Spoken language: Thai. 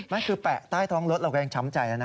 นั่นคือแปะใต้ท้องรถเราก็ยังช้ำใจแล้วนะ